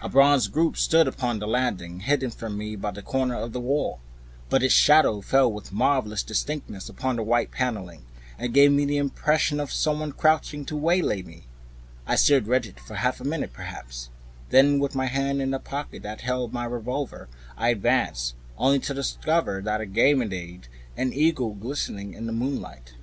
A bronze group stood upon the landing hidden from me by a corner of the wall; but its shadow fell with marvelous distinctness upon the white paneling, and gave me the impression of some one crouching to waylay me. The thing jumped upon my attention suddenly. I stood rigid for half a moment, perhaps. Then, with my hand in the pocket that held the revolver, I advanced, only to discover a Ganymede and Eagle, glistening in the moonlight.